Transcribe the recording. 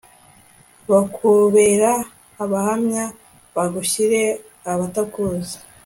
bakubere abahamya, bagushyire abatakuzi